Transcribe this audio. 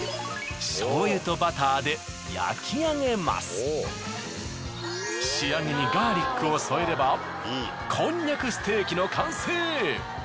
まずは仕上げにガーリックを添えればこんにゃくステーキの完成。